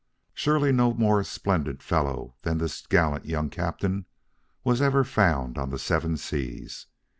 Surely no more splendid fellow than this gallant, young captain was ever found on the Seven Seas.